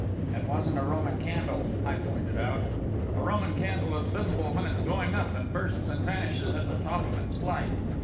"It wasn't a Roman candle," I pointed out. "A Roman candle is visible when it's going up, and bursts and vanishes at the top of its flight.